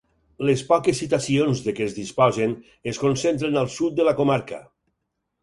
Les poques citacions de què es disposen es concentren al sud de la comarca.